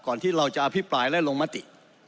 ที่เราจะอภิปรายและลงมติ